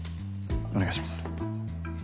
お願いします。